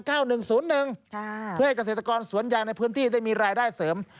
เพื่อให้เกษตรกรสวนยางในพื้นที่ได้มีรายได้เสริม